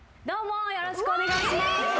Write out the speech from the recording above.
よろしくお願いします。